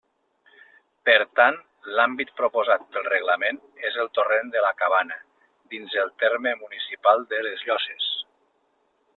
Per tant, l'àmbit proposat pel reglament és el Torrent de la Cabana dins del terme municipal de les Llosses.